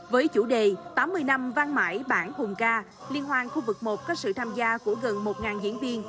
với chủ đề tám mươi năm văn mãi bản hùng ca liên hoan khu vực một có sự tham gia của gần một diễn viên